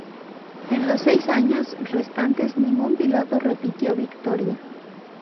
En los seis años restantes, ningún piloto repitió victoria.